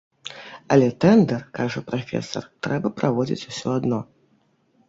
Але тэндэр, кажа прафесар, трэба праводзіць усё адно.